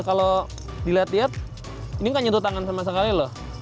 kalau dilihat lihat ini gak nyentuh tangan sama sekali loh